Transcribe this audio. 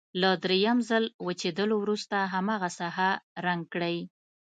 له دویم ځل وچېدلو وروسته هماغه ساحه رنګ کړئ.